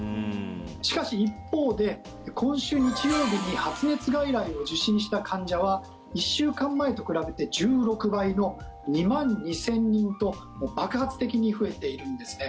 しかし一方で、今週日曜日に発熱外来を受診した患者は１週間前と比べて１６倍の２万２０００人と爆発的に増えているんですね。